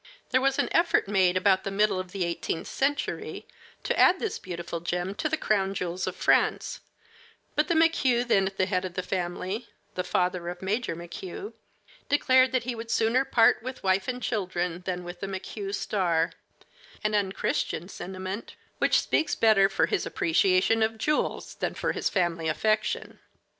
There was an effort made, about the middle of the eighteenth century, to add this beautiful gem to the crown jewels of France, but the McHugh then at the head of the family, the father of Major McHugh, declared that he would sooner part with wife and children than with the "McHugh star," an unchristian sentiment, which speaks better for his appreciation of jewels than for his family affection.